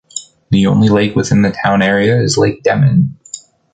The only lake within the town area is lake Demmin.